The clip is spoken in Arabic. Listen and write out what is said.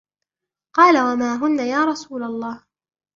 قَالَ وَمَا هُنَّ يَا رَسُولَ اللَّهِ